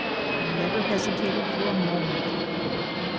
I never hesitated for a moment.